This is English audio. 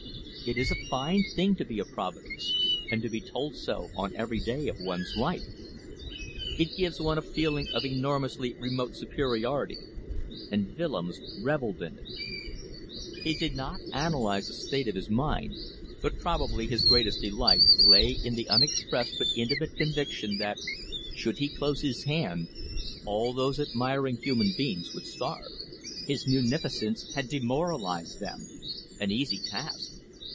It is a fine thing to be a providence, and to be told so on every day of one's life. It gives one a feeling of enormously remote superiority, and Willems revelled in it. He did not analyze the state of his mind, but probably his greatest delight lay in the unexpressed but intimate conviction that, should he close his hand, all those admiring human beings would starve. His munificence had demoralized them. An easy task.